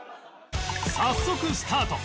早速スタート